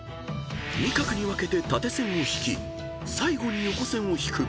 ［２画に分けて縦線を引き最後に横線を引く］